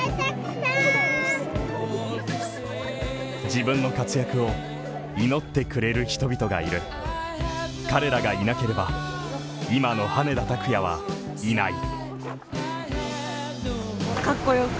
自分の活躍を祈ってくれる人々がいる彼らがいなければ今の羽根田卓也はいない。